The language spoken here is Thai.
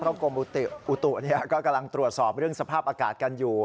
เพราะกรมอุตุก็กำลังตรวจสอบเรื่องสภาพอากาศกันอยู่